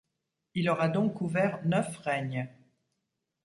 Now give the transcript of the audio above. Il aura donc couvert neuf règnes.